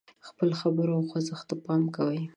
خپلو خبرو او خوځښت ته پام کوي.